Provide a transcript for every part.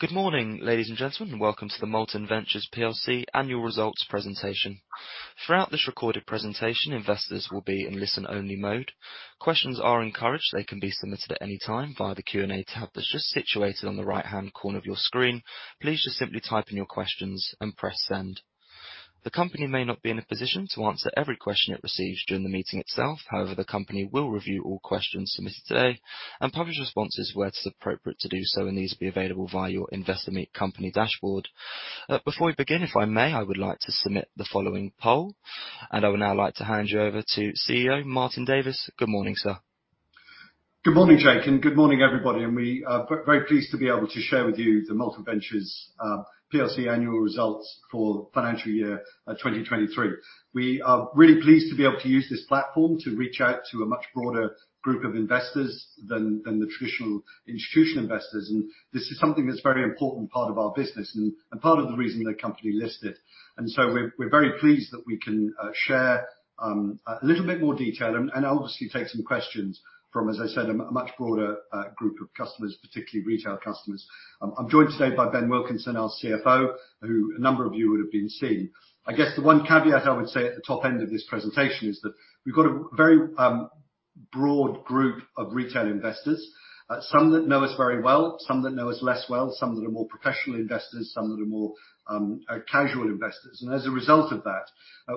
Good morning, ladies and gentlemen. Welcome to the Molten Ventures PLC Annual Results Presentation. Throughout this recorded presentation, investors will be in listen-only mode. Questions are encouraged. They can be submitted at any time via the Q&A tab that's just situated on the right-hand corner of your screen. Please just simply type in your questions and press send. The company may not be in a position to answer every question it receives during the meeting itself. The company will review all questions submitted today and publish responses where it's appropriate to do so, and these will be available via your Investor Meet Company dashboard. Before we begin, if I may, I would like to submit the following poll, and I would now like to hand you over to CEO, Martin Davis. Good morning, sir. Good morning, Jake, and good morning, everybody. We are very pleased to be able to share with you the Molten Ventures PLC annual results for financial year 2023. We are really pleased to be able to use this platform to reach out to a much broader group of investors than the traditional institutional investors. This is something that's a very important part of our business and part of the reason the company listed. We're very pleased that we can share a little bit more detail and obviously take some questions from, as I said, a much broader group of customers, particularly retail customers. I'm joined today by Ben Wilkinson, our CFO, who a number of you would have been seen. I guess the one caveat I would say at the top end of this presentation is that we've got a very broad group of retail investors, some that know us very well, some that know us less well, some that are more professional investors, some that are more casual investors. As a result of that,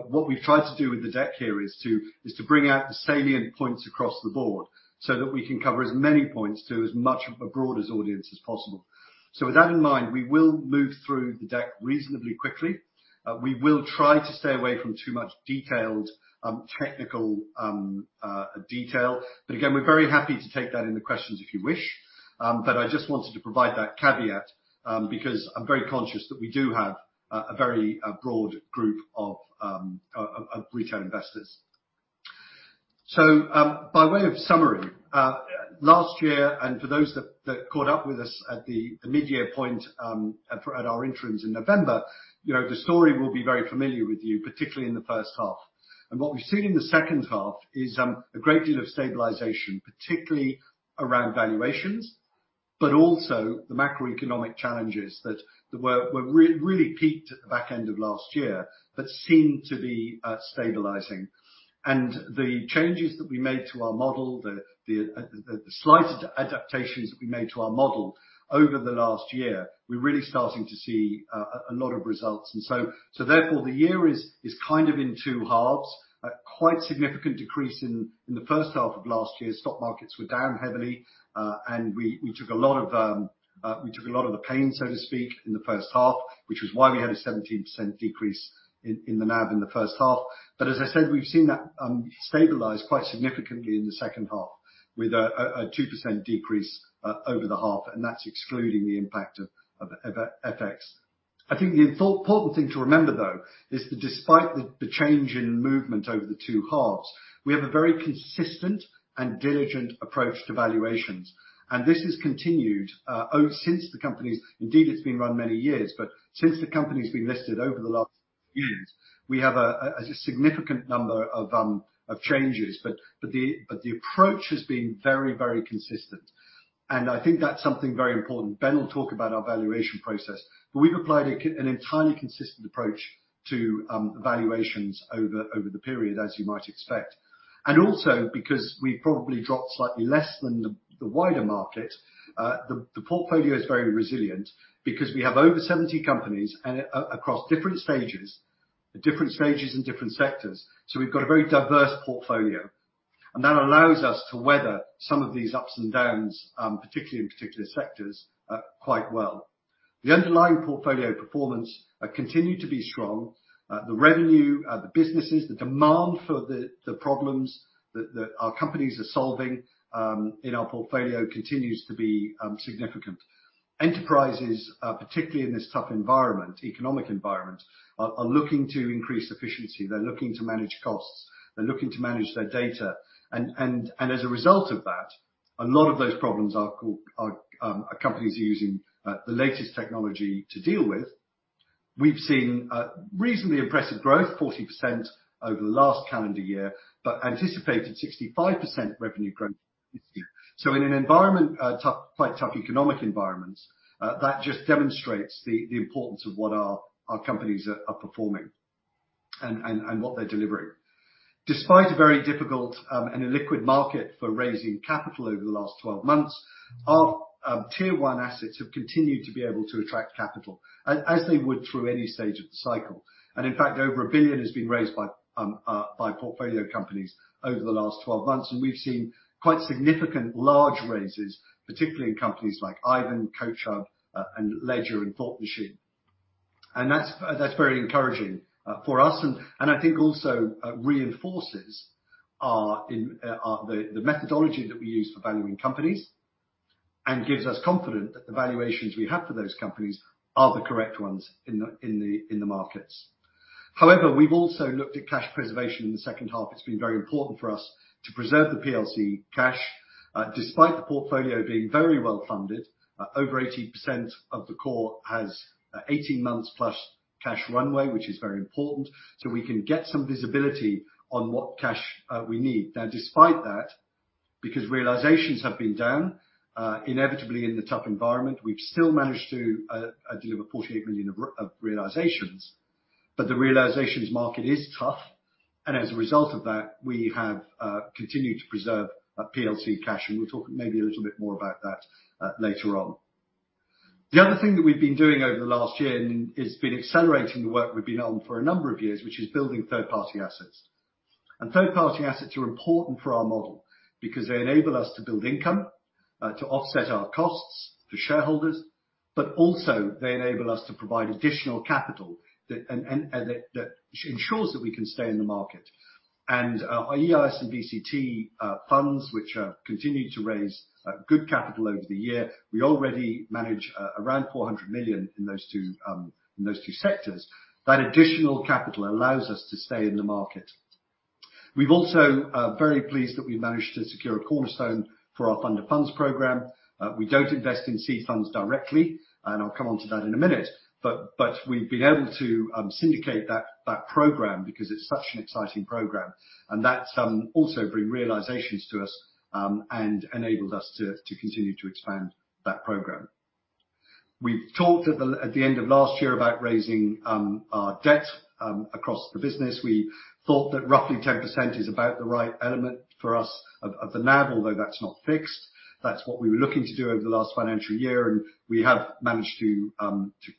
what we've tried to do with the deck here is to, is to bring out the salient points across the board so that we can cover as many points to as much a broader audience as possible. With that in mind, we will move through the deck reasonably quickly. We will try to stay away from too much detailed, technical detail. Again, we're very happy to take that in the questions if you wish. I just wanted to provide that caveat, because I'm very conscious that we do have a very broad group of retail investors. By way of summary, last year, and for those that caught up with us at the mid-year point, at our interims in November, you know, the story will be very familiar with you, particularly in the first half. What we've seen in the second half is a great deal of stabilization, particularly around valuations, but also the macroeconomic challenges that really peaked at the back end of last year, but seem to be stabilizing. The changes that we made to our model, the slight adaptations that we made to our model over the last year, we're really starting to see a lot of results. Therefore, the year is kind of in two halves. A quite significant decrease in the first half of last year's stock markets were down heavily, and we took a lot of the pain, so to speak, in the first half, which was why we had a 17% decrease in the NAV in the first half. As I said, we've seen that stabilize quite significantly in the second half, with a 2% decrease over the half, and that's excluding the impact of FX. I think the important thing to remember, though, is that despite the change in movement over the two halves, we have a very consistent and diligent approach to valuations, and this has continued. Indeed, it's been run many years, but since the company's been listed over the last years, we have a significant number of changes. The approach has been very consistent, and I think that's something very important. Ben will talk about our valuation process, but we've applied an entirely consistent approach to valuations over the period, as you might expect. Because we've probably dropped slightly less than the wider market, the portfolio is very resilient because we have over 70 companies across different stages in different sectors. We've got a very diverse portfolio, and that allows us to weather some of these ups and downs, particularly in particular sectors, quite well. The underlying portfolio performance continued to be strong. The revenue, the businesses, the demand for the problems that our companies are solving in our portfolio continues to be significant. Enterprises, particularly in this tough environment, economic environment, are looking to increase efficiency, they're looking to manage costs, they're looking to manage their data. As a result of that, a lot of those problems are companies are using the latest technology to deal with. We've seen reasonably impressive growth, 40% over the last calendar year, anticipated 65% revenue growth this year. In an environment, tough, quite tough economic environment, that just demonstrates the importance of what our companies are performing and what they're delivering. Despite a very difficult and illiquid market for raising capital over the last 12 months, our tier one assets have continued to be able to attract capital, as they would through any stage of the cycle. In fact, over 1 billion has been raised by portfolio companies over the last 12 months, and we've seen quite significant large raises, particularly in companies like Aiven, CoachHub, Ledger and Thought Machine. That's very encouraging for us, and I think also reinforces our methodology that we use for valuing companies and gives us confidence that the valuations we have for those companies are the correct ones in the markets. However, we've also looked at cash preservation in the second half. It's been very important for us to preserve the PLC cash despite the portfolio being very well-funded. Over 80% of the core has 18+ months cash runway, which is very important, so we can get some visibility on what cash we need. Because realizations have been down inevitably in the tough environment. We've still managed to deliver 48 million of realizations, but the realizations market is tough, and as a result of that, we have continued to preserve our PLC cash, and we'll talk maybe a little bit more about that later on. The other thing that we've been doing over the last year is been accelerating the work we've been on for a number of years, which is building third-party assets. Third-party assets are important for our model because they enable us to build income to offset our costs for shareholders, but also they enable us to provide additional capital that and that ensures that we can stay in the market. Our EIS and VCT funds, which have continued to raise good capital over the year, we already manage around 400 million in those two in those two sectors. That additional capital allows us to stay in the market. We've also, are very pleased that we managed to secure a cornerstone for our fund of funds program. We don't invest in seed funds directly, and I'll come onto that in a minute, but we've been able to syndicate that program because it's such an exciting program, and that's also bring realizations to us and enabled us to continue to expand that program. We've talked at the end of last year about raising our debt across the business. We thought that roughly 10% is about the right element for us of the NAV, although that's not fixed. That's what we were looking to do over the last financial year, and we have managed to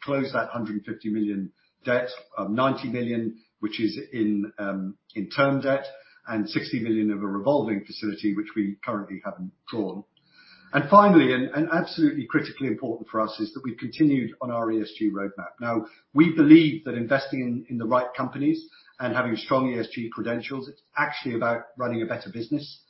close that 150 million debt of 90 million, which is in term debt, and 60 million of a revolving credit facility, which we currently haven't drawn. Finally, and absolutely critically important for us, is that we've continued on our ESG roadmap. Now, we believe that investing in the right companies and having strong ESG credentials, it's actually about running a better business.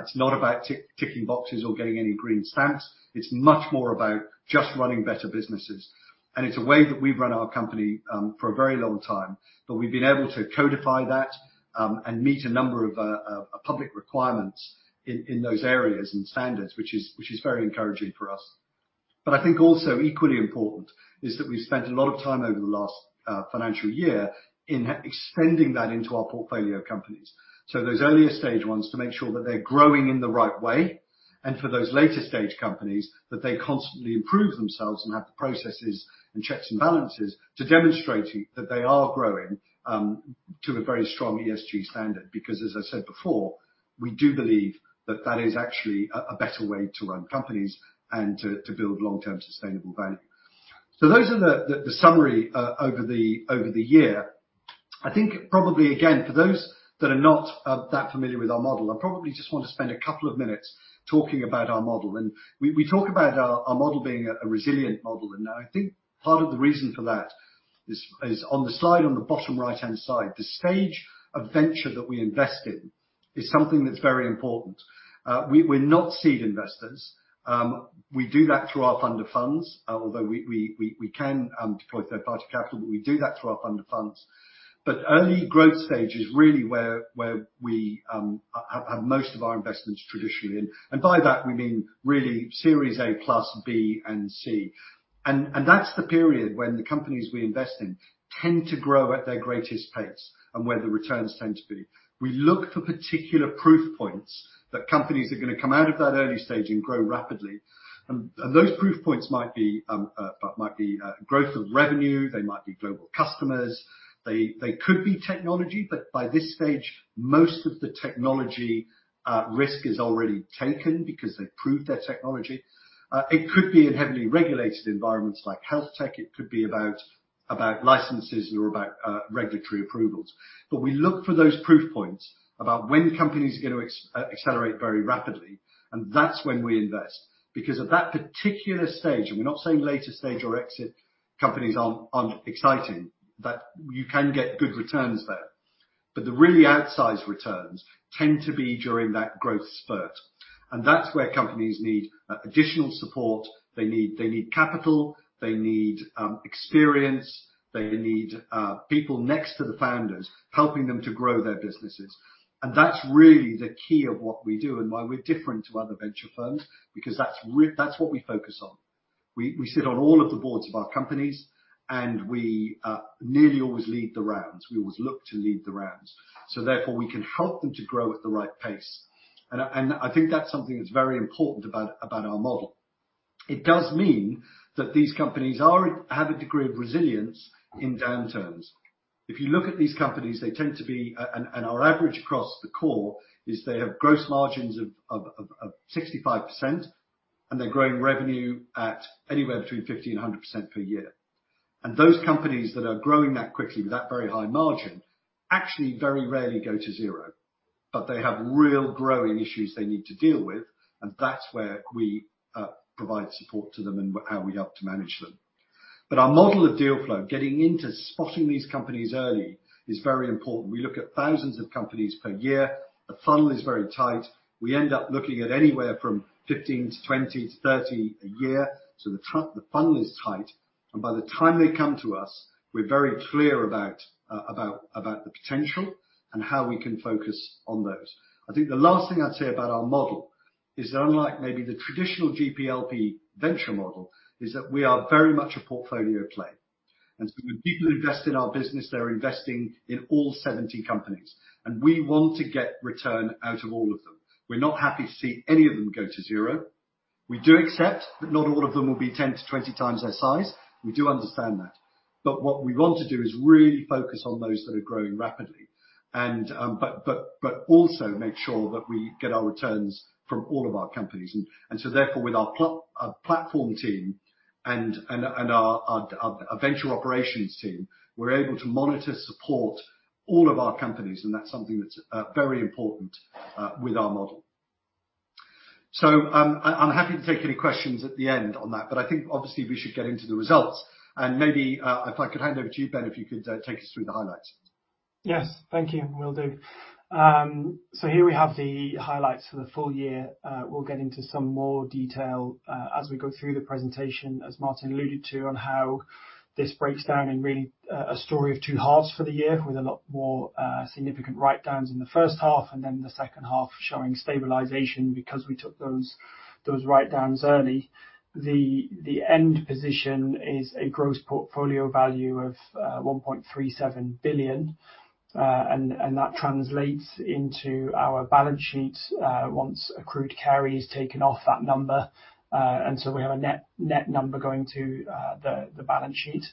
It's not about ticking boxes or getting any green stamps. It's much more about just running better businesses, and it's a way that we've run our company for a very long time, but we've been able to codify that and meet a number of public requirements in those areas and standards, which is very encouraging for us. I think also equally important is that we've spent a lot of time over the last financial year in extending that into our portfolio companies. Those earlier stage ones, to make sure that they're growing in the right way, and for those later stage companies, that they constantly improve themselves and have the processes and checks and balances to demonstrate that they are growing to a very strong ESG standard. As I said before, we do believe that that is actually a better way to run companies and to build long-term sustainable value. Those are the summary over the year. I think probably, again, for those that are not that familiar with our model, I probably just want to spend two minutes talking about our model. We talk about our model being a resilient model, and I think part of the reason for that is on the slide on the bottom right-hand side. The stage of venture that we invest in is something that's very important. We're not seed investors. We do that through our fund of funds, although we can deploy third-party capital, but we do that through our fund of funds. Early growth stage is really where we have most of our investments traditionally in. By that, we mean really Series A, plus B, and C. That's the period when the companies we invest in tend to grow at their greatest pace and where the returns tend to be. We look for particular proof points that companies are gonna come out of that early stage and grow rapidly. Those proof points might be growth of revenue, they might be global customers, they could be technology, but by this stage, most of the technology risk is already taken because they've proved their technology. It could be in heavily regulated environments like health tech. It could be about licenses or about regulatory approvals. We look for those proof points about when companies are gonna accelerate very rapidly, and that's when we invest. At that particular stage, and we're not saying later stage or exit companies aren't exciting, that you can get good returns there, but the really outsized returns tend to be during that growth spurt, and that's where companies need additional support. They need capital, they need experience, they need people next to the founders, helping them to grow their businesses. That's really the key of what we do and why we're different to other venture firms, because that's what we focus on. We sit on all of the boards of our companies, and we nearly always lead the rounds. We always look to lead the rounds, so therefore, we can help them to grow at the right pace. I think that's something that's very important about our model. It does mean that these companies have a degree of resilience in downturns. If you look at these companies, they tend to be, and our average across the core is they have gross margins of 65%, and they're growing revenue at anywhere between 50%-100% per year. Those companies that are growing that quickly with that very high margin, actually very rarely go to zero, but they have real growing issues they need to deal with, and that's where we provide support to them and how we help to manage them. Our model of deal flow, getting into spotting these companies early, is very important. We look at thousands of companies per year. The funnel is very tight. We end up looking at anywhere from 15 to 20 to 30 a year, so the funnel is tight, and by the time they come to us, we're very clear about the potential and how we can focus on those. I think the last thing I'd say about our model is, unlike maybe the traditional GPLP venture model, is that we are very much a portfolio play. When people invest in our business, they're investing in all 70 companies, and we want to get return out of all of them. We're not happy to see any of them go to zero. We do accept that not all of them will be 10-20 times their size. We do understand that, but what we want to do is really focus on those that are growing rapidly and, but also make sure that we get our returns from all of our companies. Therefore, with our platform team and our venture operations team, we are able to monitor, support all of our companies, and that's something that's very important with our model. I'm happy to take any questions at the end on that, but I think obviously we should get into the results. Maybe, if I could hand over to you, Ben, if you could take us through the highlights. Yes. Thank you. Will do. Here we have the highlights for the full year. We'll get into some more detail as we go through the presentation, as Martin alluded to, on how this breaks down and really a story of two halves for the year, with a lot more significant write-downs in the first half and then the second half showing stabilization because we took those write-downs early. The end position is a gross portfolio value of 1.37 billion, and that translates into our balance sheet once accrued carry is taken off that number. We have a net number going to the balance sheet.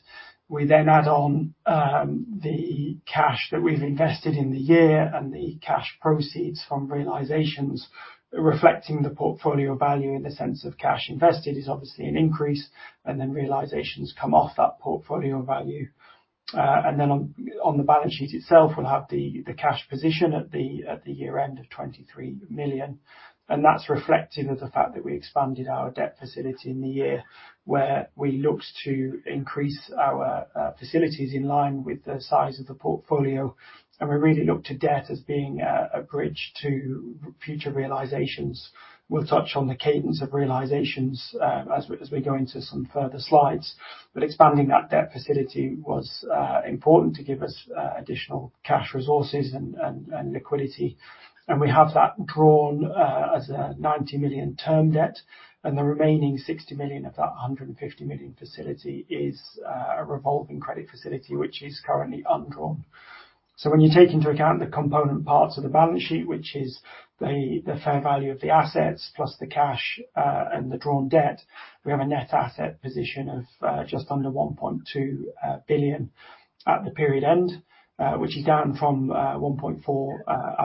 We add on the cash that we've invested in the year and the cash proceeds from realizations, reflecting the portfolio value in the sense of cash invested, is obviously an increase, and then realizations come off that portfolio value. On the balance sheet itself, we'll have the cash position at the year end of 23 million, and that's reflective of the fact that we expanded our debt facility in the year, where we looked to increase our facilities in line with the size of the portfolio, and we really looked to debt as being a bridge to future realizations. We'll touch on the cadence of realizations as we go into some further slides, but expanding that debt facility was important to give us additional cash resources and liquidity. We have drawn 90 million term debt. The remaining 60 million of that 150 million facility is a revolving credit facility is currently undrawn. So when you take into account the component part of the balance sheet which is the fair value of the asset plus the cash, and drawn debt, We have net asset position of just under 1.2 billion at the period end. Which is down from 1.4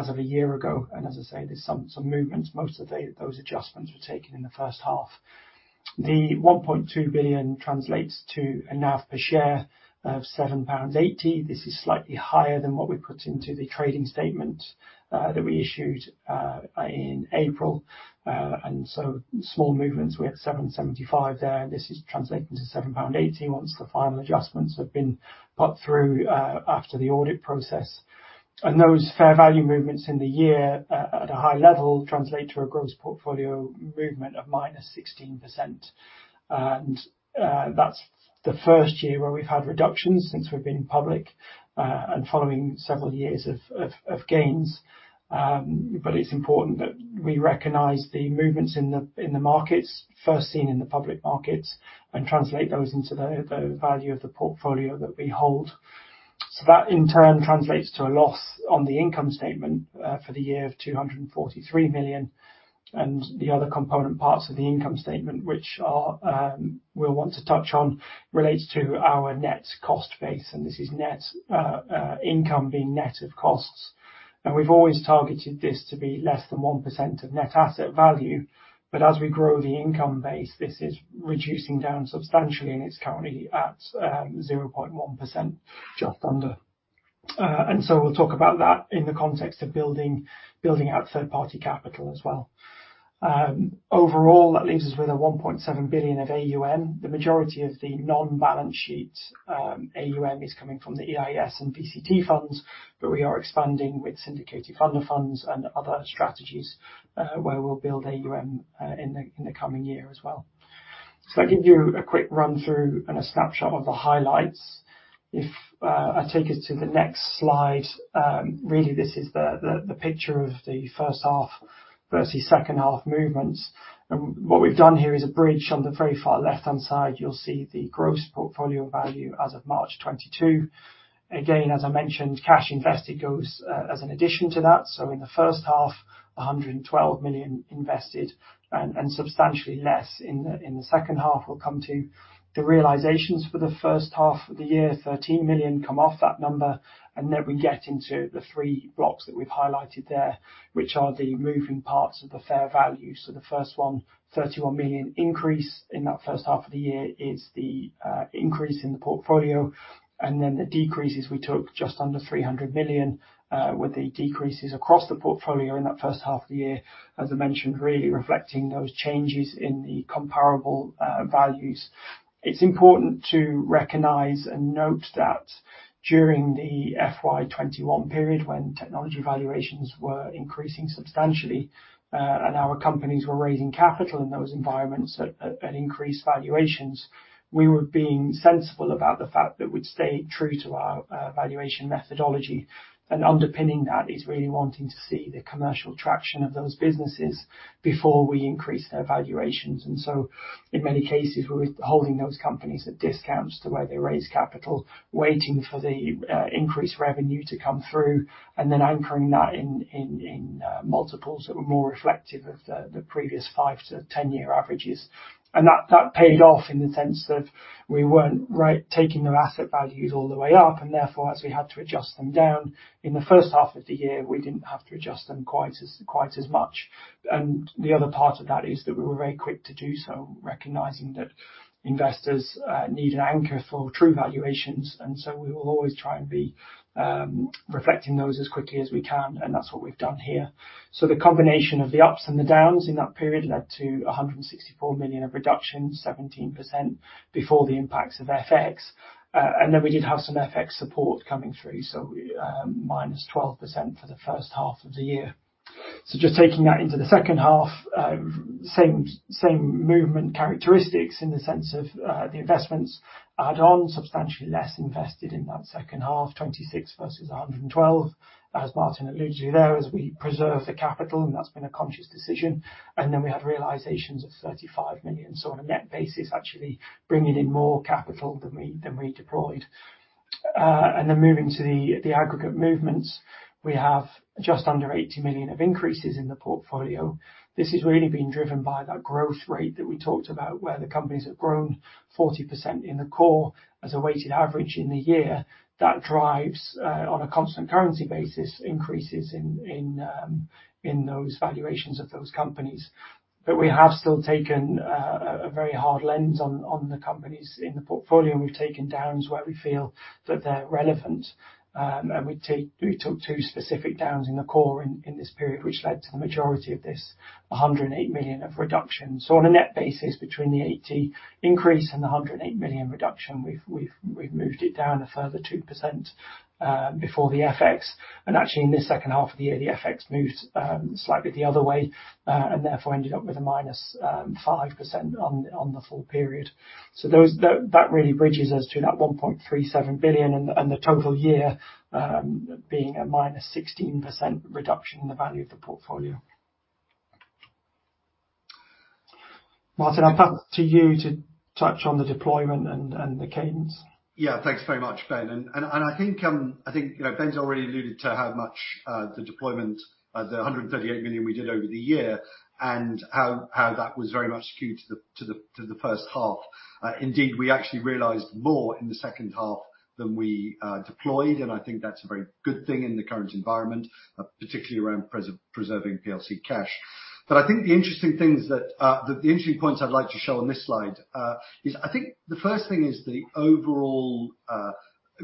billion a year ago, with most adjustments taken in the first half. The 1.2 billion translates to a NAV per share of 7.80 pounds. This is slightly higher than what we put into the trading statement that we issued in April. Small movements, we had 7.75 there. This is translating to 7.80 pound once the final adjustments have been put through after the audit process. Those fair value movements in the year, at a high level, translate to a gross portfolio movement of minus 16%. That's the first year where we've had reductions since we've been public, and following several years of gains. It's important that we recognize the movements in the markets, first seen in the public markets, and translate those into the value of the portfolio that we hold. That, in turn, translates to a loss on the income statement for the year of 243 million, and the other component parts of the income statement, which are, we'll want to touch on, relates to our net cost base, and this is net income being net of costs. We've always targeted this to be less than 1% of net asset value, but as we grow the income base, this is reducing down substantially, and it's currently at 0.1%, just under. We'll talk about that in the context of building out third-party capital as well. Overall, that leaves us with a 1.7 billion of AUM. The majority of the non-balance sheet, AUM is coming from the EIS and VCT funds. We are expanding with syndicated fund of funds and other strategies, where we'll build AUM in the coming year as well. I'll give you a quick run through and a snapshot of the highlights. If I take us to the next slide, really, this is the picture of the first half versus second half movements. What we've done here is a bridge. On the very far left-hand side, you'll see the gross portfolio value as of March 2022. Again, as I mentioned, cash invested goes as an addition to that. In the first half, 112 million invested, and substantially less in the second half. We'll come to the realizations for the first half of the year, 13 million come off that number, and then we get into the three blocks that we've highlighted there, which are the moving parts of the fair value. The first one, 31 million increase in that first half of the year, is the increase in the portfolio. The decreases we took just under 300 million with the decreases across the portfolio in that first half of the year, as I mentioned, really reflecting those changes in the comparable values. It's important to recognize and note that during the FY 2021 period, when technology valuations were increasing substantially, and our companies were raising capital in those environments at increased valuations, we were being sensible about the fact that we'd stay true to our valuation methodology. Underpinning that is really wanting to see the commercial traction of those businesses before we increase their valuations. In many cases, we were holding those companies at discounts to where they raised capital, waiting for the increased revenue to come through, and then anchoring that in multiples that were more reflective of the previous five to 10 year averages. hat paid off in the sense that we weren't right, taking their asset values all the way up, and therefore, as we had to adjust them down, in the first half of the year, we didn't have to adjust them quite as much. The other part of that is that we were very quick to do so, recognizing that investors need an anchor for true valuations, we will always try and be reflecting those as quickly as we can, and that's what we've done here. The combination of the ups and the downs in that period led to 164 million of reduction, 17% before the impacts of FX. Then we did have some FX support coming through, so we -12% for the first half of the year. Just taking that into the second half, same movement characteristics in the sense of the investments add on substantially less invested in that second half, 26 million versus 112 million. As Martin alluded to there, as we preserve the capital, and that's been a conscious decision. Then we had realizations of 35 million. On a net basis, actually bringing in more capital than we, than we deployed. Then moving to the aggregate movements, we have just under 80 million of increases in the portfolio. This has really been driven by that growth rate that we talked about, where the companies have grown 40% in the core as a weighted average in the year. That drives on a constant currency basis, increases in those valuations of those companies. We have still taken a very hard lens on the companies in the portfolio, and we've taken downs where we feel that they're relevant. We took two specific downs in the core in this period, which led to the majority of this, 108 million of reductions. On a net basis, between the 80 increase and the 108 million reduction, we've moved it down a further 2% before the FX. Actually, in this second half of the year, the FX moved slightly the other way and therefore ended up with a -5% on the full period. Those, that really bridges us to that 1.37 billion and the total year being a -16% reduction in the value of the portfolio. Martin, I'll pass to you to touch on the deployment and the cadence. Yeah, thanks very much, Ben. I think, you know, Ben's already alluded to how much, the deployment, 138 million we did over the year, and how that was very much skewed to the first half. Indeed, we actually realized more in the second half than we, deployed, and I think that's a very good thing in the current environment, particularly around preserving PLC cash. I think the interesting things that, the interesting points I'd like to show on this slide, is I think the first thing is the overall,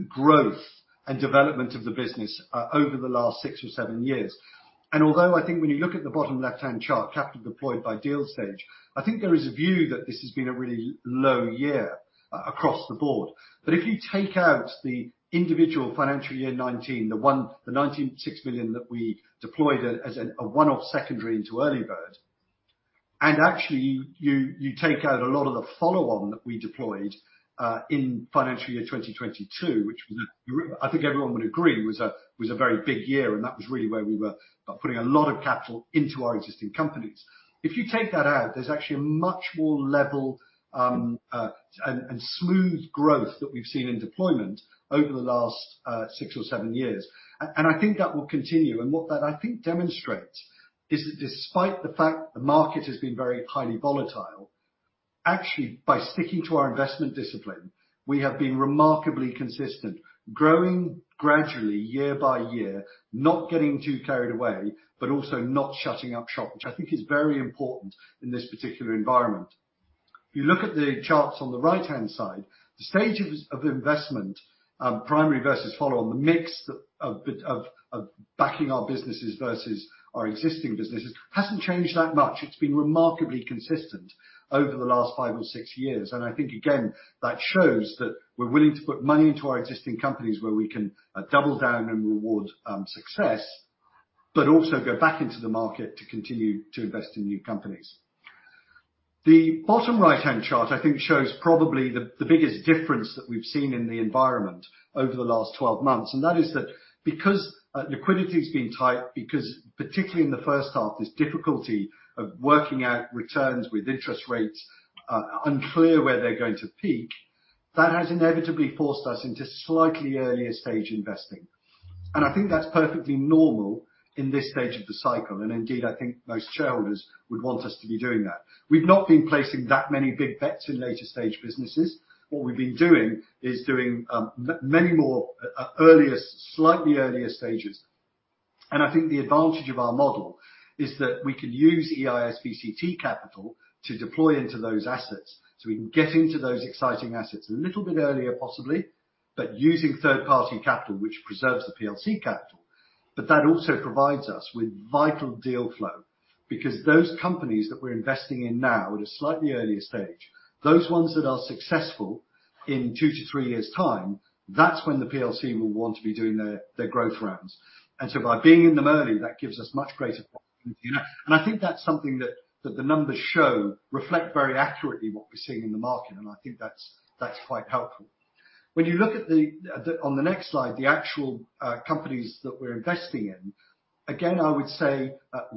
growth and development of the business, over the last six or seven years. Although I think when you look at the bottom left-hand chart, capital deployed by deal stage, I think there is a view that this has been a really low year across the board. If you take out the individual financial year 2019, the 96 million that we deployed as a one-off secondary into Earlybird, and actually, you take out a lot of the follow-on that we deployed in financial year 2022, which was I think everyone would agree was a very big year, and that was really where we were putting a lot of capital into our existing companies. If you take that out, there's actually a much more level and smooth growth that we've seen in deployment over the last six or seven years. I think that will continue, and what that, I think, demonstrates is that despite the fact the market has been very highly volatile, actually, by sticking to our investment discipline, we have been remarkably consistent, growing gradually year by year, not getting too carried away, but also not shutting up shop, which I think is very important in this particular environment. If you look at the charts on the right-hand side, the stages of investment, primary versus follow-on, the mix of backing our businesses versus our existing businesses, hasn't changed that much. It's been remarkably consistent over the last five or six years, I think, again, that shows that we're willing to put money into our existing companies where we can double down and reward success, but also go back into the market to continue to invest in new companies. The bottom right-hand chart, I think, shows probably the biggest difference that we've seen in the environment over the last 12 months. That is that because liquidity's been tight, because particularly in the first half, this difficulty of working out returns with interest rates unclear where they're going to peak, that has inevitably forced us into slightly earlier stage investing. I think that's perfectly normal in this stage of the cycle. Indeed, I think most shareholders would want us to be doing that. We've not been placing that many big bets in later stage businesses. What we've been doing is doing many more earliest, slightly earlier stages. I think the advantage of our model is that we can use EIS VCT capital to deploy into those assets, so we can get into those exciting assets a little bit earlier, possibly, but using third-party capital, which preserves the PLC capital. That also provides us with vital deal flow, because those companies that we're investing in now at a slightly earlier stage, those ones that are successful in two to three years' time, that's when the PLC will want to be doing their growth rounds. By being in them early, that gives us much greater. I think that's something that the numbers show, reflect very accurately what we're seeing in the market, and I think that's quite helpful. When you look at the on the next slide, the actual companies that we're investing in, again, I would say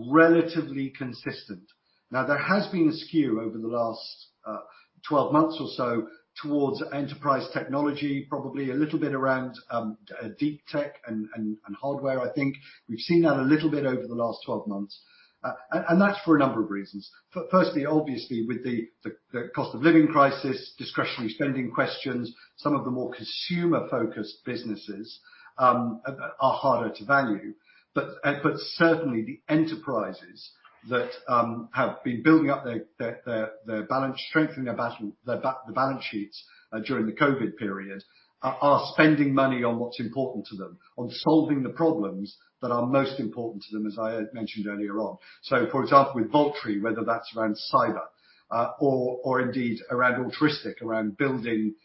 relatively consistent. Now, there has been a skew over the last 12 months or so towards enterprise technology, probably a little bit around deep tech and hardware, I think. We've seen that a little bit over the last 12 months. That's for a number of reasons. Firstly, obviously, with the cost of living crisis, discretionary spending questions, some of the more consumer-focused businesses are harder to value. Certainly, the enterprises that have been building up their balance, strengthening their balance, their balance sheets during the COVID period, are spending money on what's important to them, on solving the problems that are most important to them, as I mentioned earlier on. For example, with Vaultree, whether that's around cyber, or indeed around Altruistiq, around building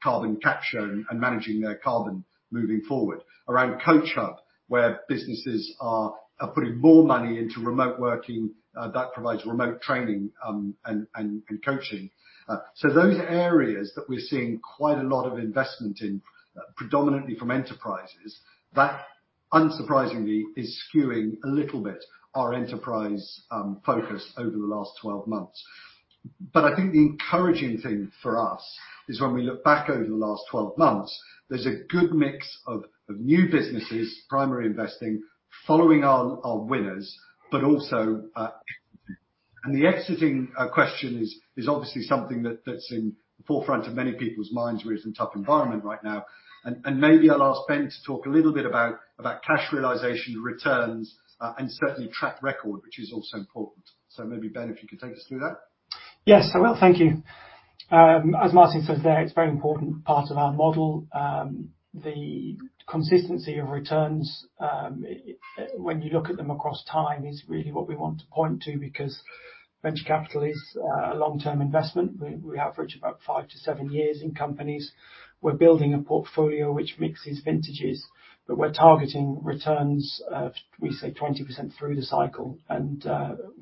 carbon capture and managing their carbon moving forward. Around CoachHub, where businesses are putting more money into remote working that provides remote training and coaching. Those areas that we're seeing quite a lot of investment in, predominantly from enterprises, that, unsurprisingly, is skewing a little bit our enterprise focus over the last 12 months. I think the encouraging thing for us is when we look back over the last 12 months, there's a good mix of new businesses, primary investing, following our winners, but also exiting. The exiting question is obviously something that's in the forefront of many people's minds. We're in a tough environment right now, maybe I'll ask Ben to talk a little bit about cash realization, returns, and certainly track record, which is also important. Maybe, Ben, if you could take us through that? Yes, I will. Thank you. As Martin says there, it's a very important part of our model. The consistency of returns, when you look at them across time, is really what we want to point to, because venture capital is a long-term investment. We average about five to seven years in companies. We're building a portfolio which mixes vintages, but we're targeting returns of, we say, 20% through the cycle,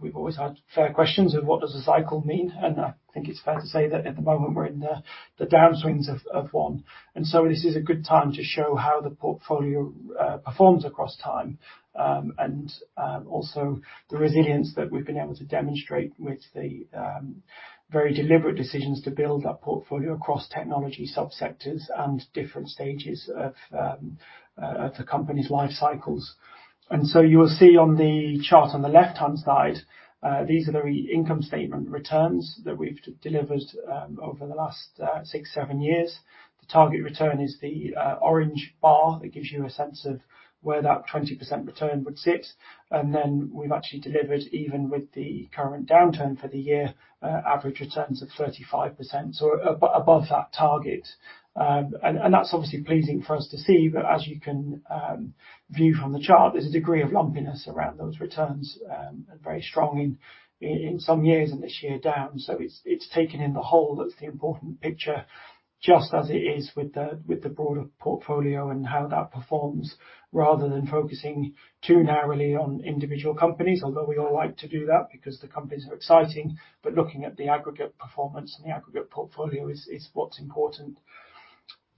we've always had fair questions of what does a cycle mean? I think it's fair to say that at the moment, we're in the downswings of one. This is a good time to show how the portfolio performs across time, and also the resilience that we've been able to demonstrate with the very deliberate decisions to build that portfolio across technology subsectors and different stages of the company's life cycles. You will see on the chart on the left-hand side, these are the income statement returns that we've delivered over the last six, seven years. The target return is the orange bar. That gives you a sense of where that 20% return would sit. We've actually delivered, even with the current downturn for the year, average returns of 35%, so above that target. That's obviously pleasing for us to see, but as you can view from the chart, there's a degree of lumpiness around those returns, and very strong in some years, and this year down. It's taken in the whole, that's the important picture, just as it is with the broader portfolio and how that performs, rather than focusing too narrowly on individual companies, although we all like to do that, because the companies are exciting, but looking at the aggregate performance and the aggregate portfolio is what's important.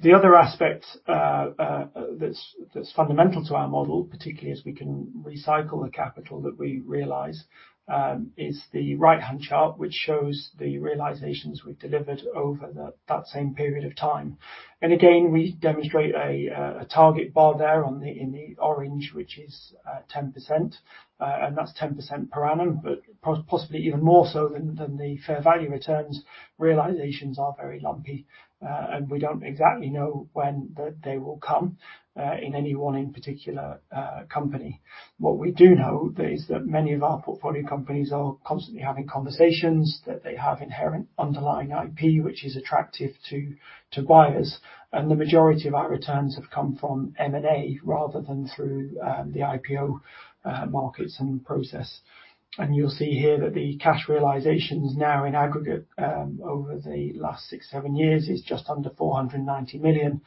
The other aspect that's fundamental to our model, particularly as we can recycle the capital that we realize, is the right-hand chart, which shows the realizations we've delivered over that same period of time. Again, we demonstrate a target bar there in the orange, which is 10%, and that's 10% per annum, possibly even more so than the fair value returns. Realizations are very lumpy, and we don't exactly know when they will come in any one in particular company. What we do know is that many of our portfolio companies are constantly having conversations, that they have inherent underlying IP, which is attractive to buyers, the majority of our returns have come from M&A rather than through the IPO markets and process. You'll see here that the cash realizations now in aggregate over the last six, seven years, is just under 490 million.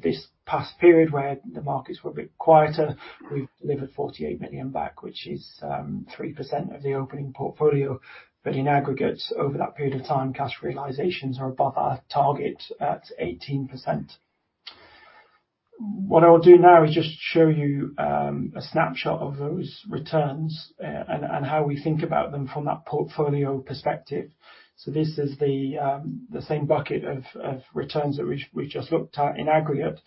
This past period, where the markets were a bit quieter, we've delivered 48 million back, which is 3% of the opening portfolio. In aggregate, over that period of time, cash realizations are above our target at 18%. What I will do now is just show you a snapshot of those returns, and how we think about them from that portfolio perspective. This is the same bucket of returns that we just looked at in aggregate.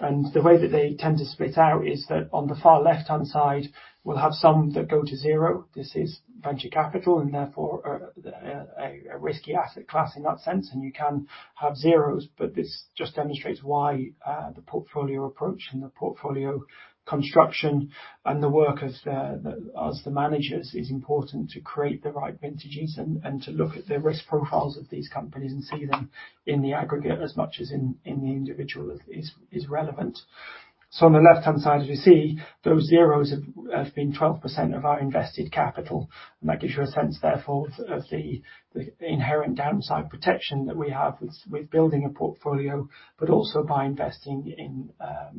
The way that they tend to split out is that on the far left-hand side, we'll have some that go to zero. This is venture capital and therefore, a risky asset class in that sense, and you can have zeros, but this just demonstrates why the portfolio approach and the portfolio construction and the work as the managers, is important to create the right vintages and to look at the risk profiles of these companies and see them in the aggregate as much as in the individual is relevant. On the left-hand side, as you see, those zeros have been 12% of our invested capital, and that gives you a sense, therefore, of the inherent downside protection that we have with building a portfolio, but also by investing in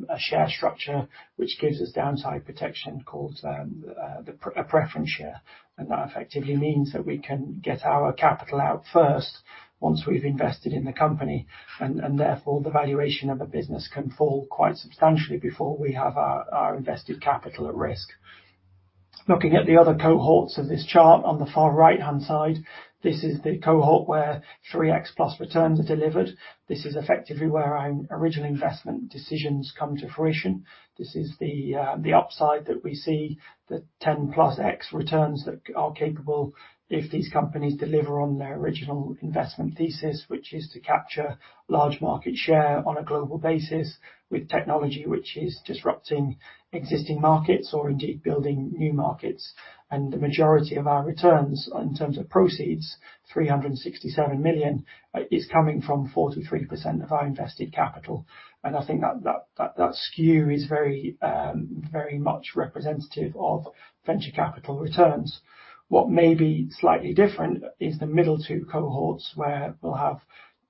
a share structure, which gives us downside protection called a preference share. That effectively means that we can get our capital out first once we've invested in the company, and therefore, the valuation of a business can fall quite substantially before we have our invested capital at risk. Looking at the other cohorts of this chart, on the far right-hand side, this is the cohort where 3x plus returns are delivered. This is effectively where our original investment decisions come to fruition. This is the upside that we see, the 10 plus x returns that are capable if these companies deliver on their original investment thesis, which is to capture large market share on a global basis with technology which is disrupting existing markets or indeed, building new markets. The majority of our returns in terms of proceeds, 367 million, is coming from 43% of our invested capital. I think that skew is very, very much representative of venture capital returns. What may be slightly different is the middle two cohorts, where we'll have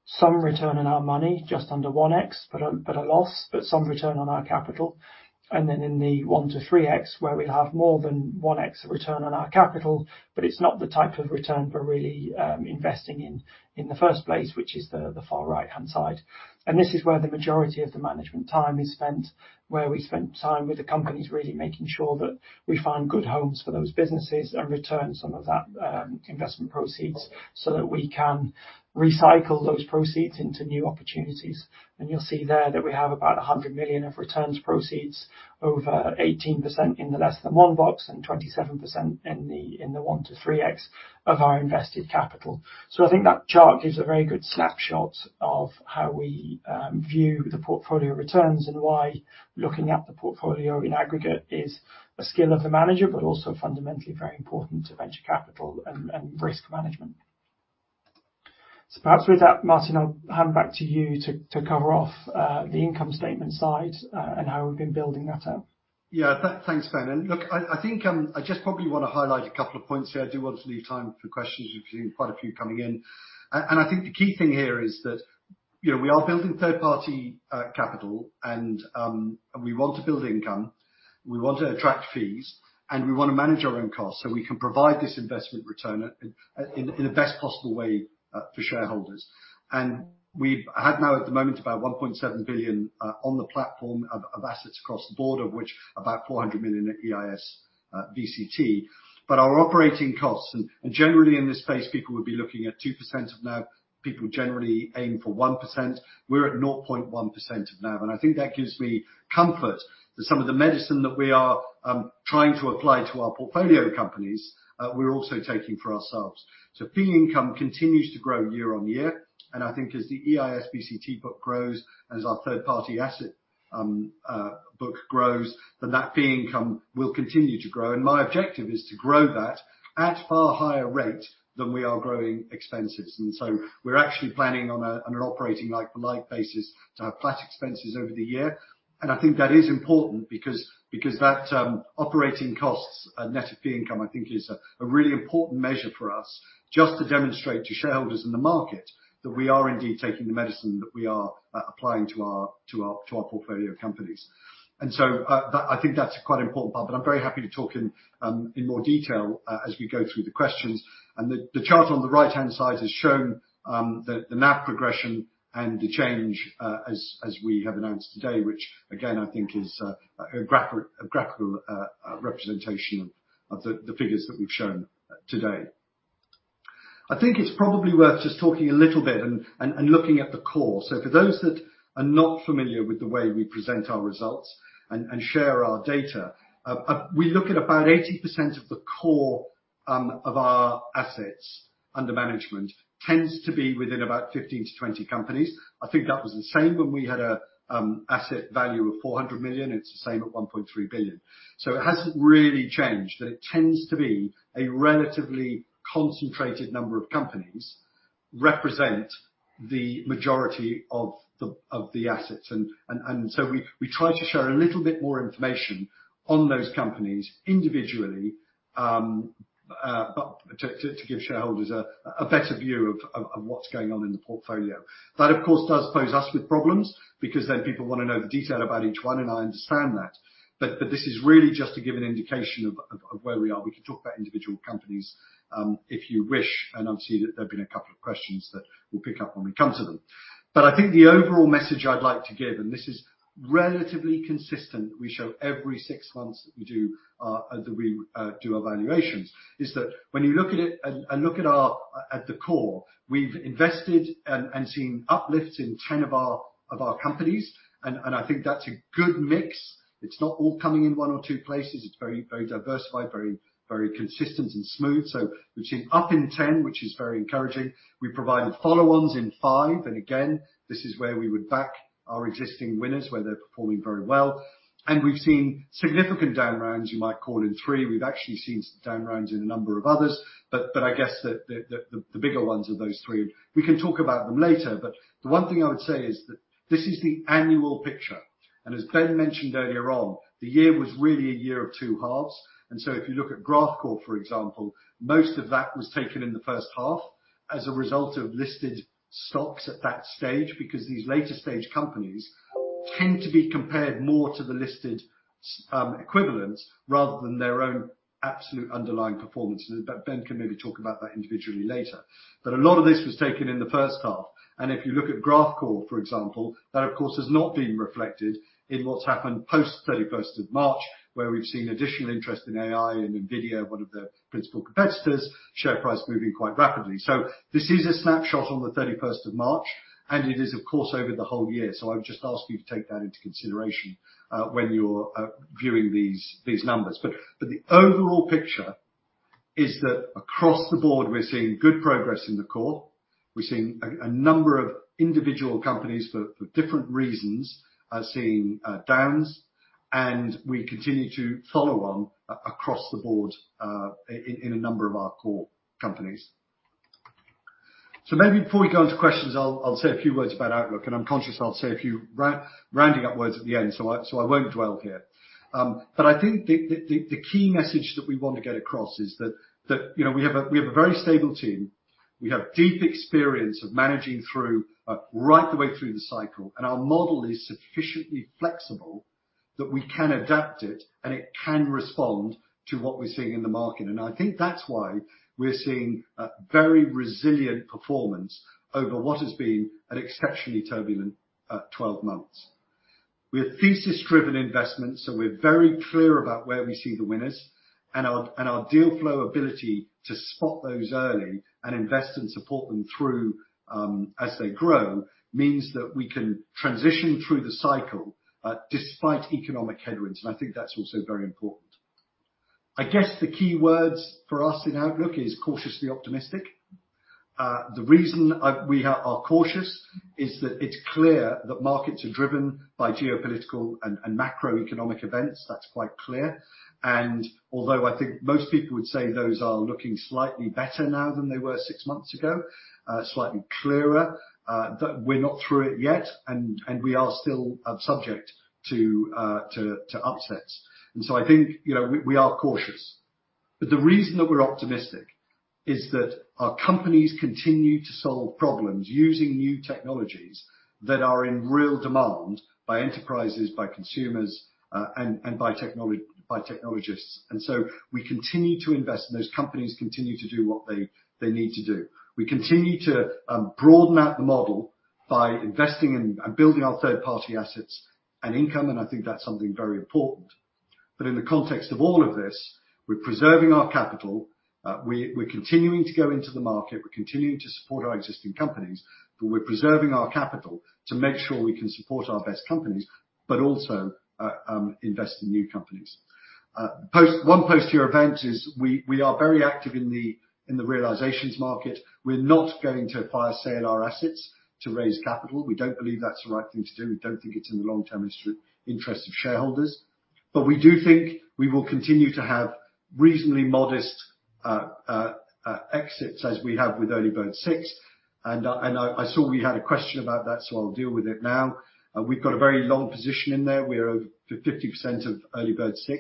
some return on our money just under 1x, but a loss, but some return on our capital. Then in the 1x-3x, where we'll have more than 1x return on our capital, but it's not the type of return we're really investing in the first place, which is the far right-hand side. This is where the majority of the management time is spent, where we spend time with the companies, really making sure that we find good homes for those businesses and return some of that investment proceeds so that we can recycle those proceeds into new opportunities. You'll see there that we have about 100 million of returns proceeds, over 18% in the less than one box and 27% in the 1x-3x of our invested capital. I think that chart gives a very good snapshot of how we view the portfolio returns, and why looking at the portfolio in aggregate is a skill of the manager, but also fundamentally very important to venture capital and risk management. Perhaps with that, Martin, I'll hand back to you to cover off the income statement side and how we've been building that out. Yeah, thanks, Ben. Look, I think I just probably want to highlight a couple of points here. I do want to leave time for questions. We've seen quite a few coming in. I think the key thing here is that, you know, we are building third-party capital, and we want to build income, we want to attract fees, and we want to manage our own costs, so we can provide this investment return at, in the best possible way for shareholders. We've had now, at the moment, about 1.7 billion on the platform of assets across the board, of which about 400 million at EIS VCT. Our operating costs, and generally in this space, people would be looking at 2% of NAV. People generally aim for 1%. We're at 0.1% of NAV, and I think that gives me comfort that some of the medicine that we are trying to apply to our portfolio companies, we're also taking for ourselves. Fee income continues to grow year-on-year, and I think as the EISVCT book grows, as our third-party asset book grows, then that fee income will continue to grow. My objective is to grow that at a far higher rate than we are growing expenses. We're actually planning on a, on an operating like-for-like basis, to have flat expenses over the year. I think that is important because that operating costs and net of fee income, I think, is a really important measure for us, just to demonstrate to shareholders in the market that we are indeed taking the medicine, that we are applying to our portfolio companies. That. I think that's quite an important part, but I'm very happy to talk in more detail as we go through the questions. The chart on the right-hand side has shown the NAV progression and the change as we have announced today, which again, I think is a graphical representation of the figures that we've shown today. I think it's probably worth just talking a little bit and looking at the core. For those that are not familiar with the way we present our results and share our data, we look at about 80% of the core of our assets under management, tends to be within about 15-20 companies. I think that was the same when we had a asset value of 400 million. It's the same at 1.3 billion. It hasn't really changed, but it tends to be a relatively concentrated number of companies, represent the majority of the assets. We try to share a little bit more information on those companies individually to give shareholders a better view of what's going on in the portfolio. That, of course, does pose us with problems, because then people want to know the detail about each one, and I understand that. This is really just to give an indication of where we are. We can talk about individual companies, if you wish, and obviously, there have been a couple of questions that we'll pick up when we come to them. I think the overall message I'd like to give, and this is relatively consistent, we show every six months that we do our valuations, is that when you look at it and look at our, at the core, we've invested and seen uplifts in 10 of our companies, and I think that's a good mix. It's not all coming in one or two places. It's very, very diversified, very, very consistent and smooth. We've seen up in 10, which is very encouraging. We've provided follow-ons in five, and again, this is where we would back our existing winners, where they're performing very well. We've seen significant down rounds, you might call in three. We've actually seen some down rounds in a number of others, but I guess the bigger ones are those three. We can talk about them later, but the one thing I would say is that this is the annual picture. As Ben Wilkinson mentioned earlier on, the year was really a year of two halves. If you look at Graphcore, for example, most of that was taken in the first half as a result of listed stocks at that stage, because these later stage companies tend to be compared more to the listed equivalents rather than their own absolute underlying performances, Ben can maybe talk about that individually later. A lot of this was taken in the first half, and if you look at Graphcore, for example, that, of course, has not been reflected in what's happened post 31st of March, where we've seen additional interest in AI and NVIDIA, one of the principal competitors, share price moving quite rapidly. This is a snapshot on the 31st of March, and it is, of course, over the whole year. I would just ask you to take that into consideration when you're viewing these numbers. The overall picture is that across the board, we're seeing good progress in the core. We're seeing a number of individual companies for different reasons, are seeing downs, and we continue to follow on across the board, in a number of our core companies. Maybe before we go into questions, I'll say a few words about outlook, and I'm conscious I'll say a few rounding up words at the end, so I won't dwell here. I think the key message that we want to get across is that, you know, we have a very stable team. We have deep experience of managing through right the way through the cycle. Our model is sufficiently flexible that we can adapt it, and it can respond to what we're seeing in the market. I think that's why we're seeing a very resilient performance over what has been an exceptionally turbulent 12 months. We're thesis-driven investments, so we're very clear about where we see the winners and our, and our deal flow ability to spot those early and invest and support them through as they grow, means that we can transition through the cycle despite economic headwinds. I think that's also very important. I guess the key words for us in outlook is cautiously optimistic. The reason we are cautious is that it's clear that markets are driven by geopolitical and macroeconomic events. That's quite clear. Although I think most people would say those are looking slightly better now than they were six months ago, slightly clearer, but we're not through it yet, and we are still subject to upsets. I think, you know, we are cautious. The reason that we're optimistic is that our companies continue to solve problems using new technologies that are in real demand by enterprises, by consumers, and by technologists. We continue to invest, and those companies continue to do what they need to do. We continue to broaden out the model by investing in and building our third-party assets and income, and I think that's something very important. In the context of all of this, we're preserving our capital, we're continuing to go into the market, we're continuing to support our existing companies, but we're preserving our capital to make sure we can support our best companies, but also invest in new companies. One post year event is we are very active in the realizations market. We're not going to fire sale our assets to raise capital. We don't believe that's the right thing to do. We don't think it's in the long-term interest of shareholders, but we do think we will continue to have reasonably modest exits as we have with Earlybird VI, and I saw we had a question about that, so I'll deal with it now. We've got a very long position in there. We're over 50% of Earlybird VI,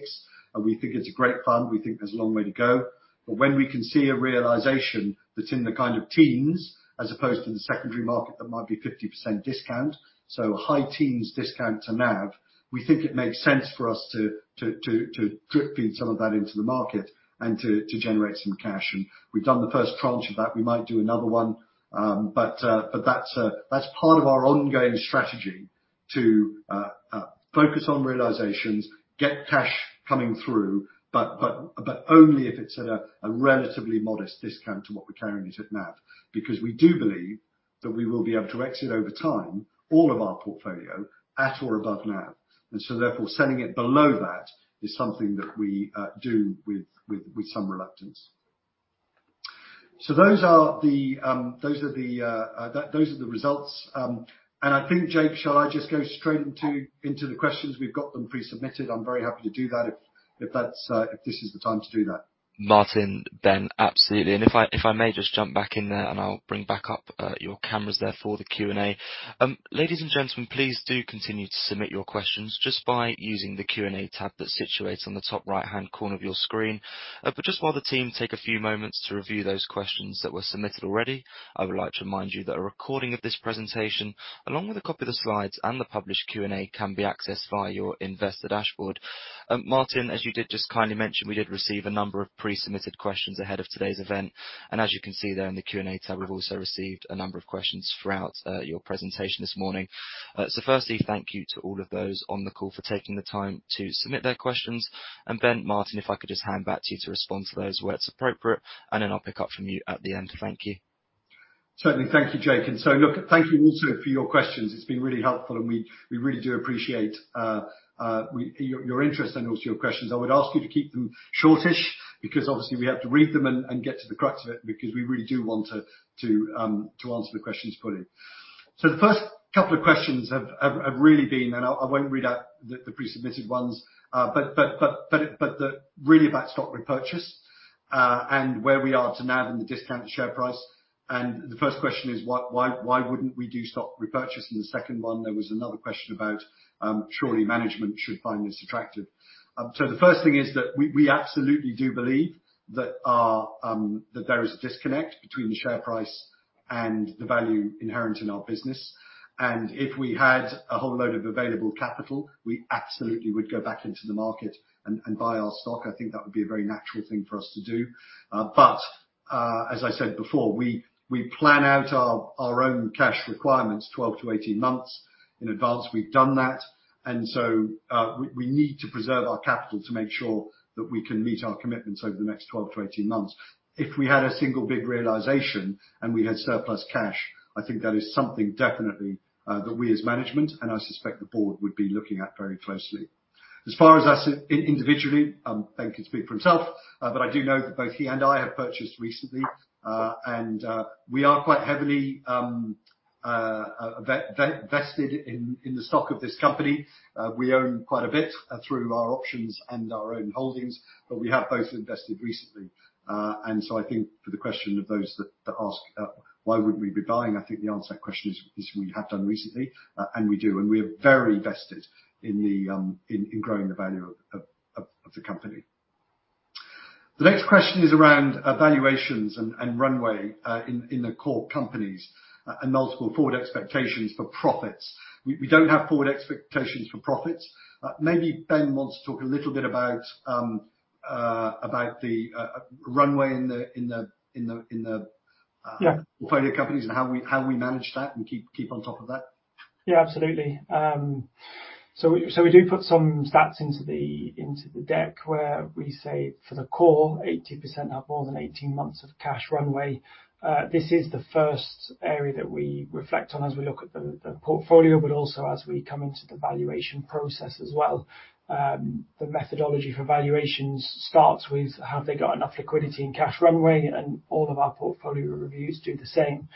we think it's a great fund. We think there's a long way to go. When we can see a realization that's in the kind of teens, as opposed to the secondary market, that might be 50% discount, so high teens discount to NAV, we think it makes sense for us to drip feed some of that into the market and to generate some cash. We've done the first tranche of that. We might do another one, but that's part of our ongoing strategy to focus on realizations, get cash coming through, but only if it's at a relatively modest discount to what we're carrying it at NAV. Because we do believe that we will be able to exit over time, all of our portfolio, at or above NAV. Therefore, selling it below that is something that we do with some reluctance. Those are the results. I think, Jake, shall I just go straight into the questions? We've got them pre-submitted. I'm very happy to do that if that's if this is the time to do that. Martin, Ben, absolutely. If I may just jump back in there, and I'll bring back up your cameras there for the Q&A. Ladies and gentlemen, please do continue to submit your questions just by using the Q&A tab that's situated on the top right-hand corner of your screen. Just while the team take a few moments to review those questions that were submitted already, I would like to remind you that a recording of this presentation, along with a copy of the slides and the published Q&A, can be accessed via your investor dashboard. Martin, as you did just kindly mention, we did receive a number of pre-submitted questions ahead of today's event, and as you can see there in the Q&A tab, we've also received a number of questions throughout your presentation this morning. Firstly, thank you to all of those on the call for taking the time to submit their questions. Ben, Martin, if I could just hand back to you to respond to those where it's appropriate, and then I'll pick up from you at the end. Thank you. Certainly. Thank you, Jake, Look, thank you also for your questions. It's been really helpful, and we really do appreciate your interest and also your questions. I would ask you to keep them shortish, because obviously we have to read them and get to the crux of it, because we really do want to answer the questions put in. The first couple of questions have really been, and I won't read out the pre-submitted ones, but really about stock repurchase and where we are to now in the discounted share price. The first question is: Why wouldn't we do stock repurchase? The second one, there was another question about surely management should find this attractive. The first thing is that we absolutely do believe that our, that there is a disconnect between the share price and the value inherent in our business, and if we had a whole load of available capital, we absolutely would go back into the market and buy our stock. I think that would be a very natural thing for us to do. As I said before, we plan out our own cash requirements 12 to 18 months in advance. We've done that, we need to preserve our capital to make sure that we can meet our commitments over the next 12 to 18 months. If we had a single big realization and we had surplus cash, I think that is something definitely that we as management, and I suspect the board, would be looking at very closely. As far as us individually, Ben can speak for himself, but I do know that both he and I have purchased recently. And we are quite heavily vested in the stock of this company. We own quite a bit through our options and our own holdings, but we have both invested recently. I think for the question of those that ask, why wouldn't we be buying, I think the answer to that question is we have done recently, and we do, and we are very vested in growing the value of the company. The next question is around valuations and runway in the core companies, and multiple forward expectations for profits. We don't have forward expectations for profits. Maybe Ben wants to talk a little bit about about the runway in the-. Yeah. Private companies and how we manage that and keep on top of that. Absolutely. We do put some stats into the deck, where we say, for the core, 80% have more than 18 months of cash runway. This is the first area that we reflect on as we look at the portfolio, also as we come into the valuation process as well. The methodology for valuations starts with, have they got enough liquidity and cash runway? All of our portfolio reviews do the same.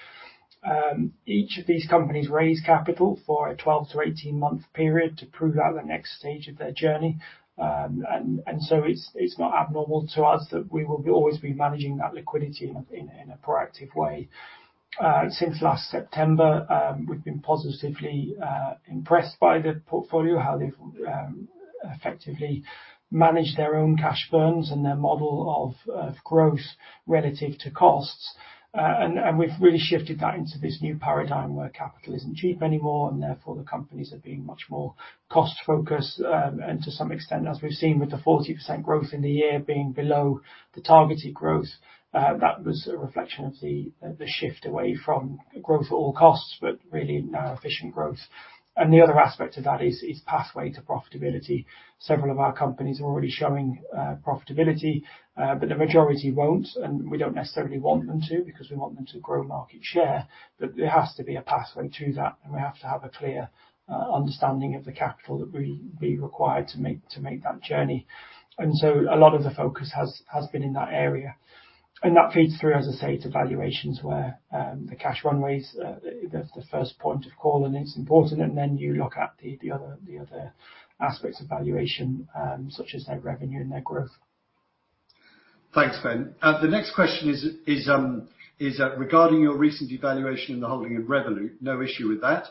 Each of these companies raise capital for a 12-18 month period to prove out the next stage of their journey. It's not abnormal to us that we will always be managing that liquidity in a proactive way. Since last September, we've been positively impressed by the portfolio, how they've effectively managed their own cash burns and their model of growth relative to costs. We've really shifted that into this new paradigm, where capital isn't cheap anymore, and therefore, the companies are being much more cost focused. To some extent, as we've seen with the 40% growth in the year being below the targeted growth, that was a reflection of the shift away from growth at all costs, but really now efficient growth. The other aspect of that is pathway to profitability. Several of our companies are already showing profitability, but the majority won't, and we don't necessarily want them to, because we want them to grow market share, but there has to be a pathway to that, and we have to have a clear understanding of the capital that we require to make that journey. A lot of the focus has been in that area. That feeds through, as I say, to valuations, where the cash runways, that's the first point of call, and it's important, and then you look at the other aspects of valuation, such as their revenue and their growth. Thanks, Ben. The next question is regarding your recent evaluation in the holding of Revolut, no issue with that.